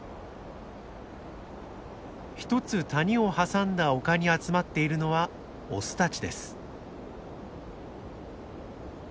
一つ谷を挟んだ丘に集まっているのはオスたちです。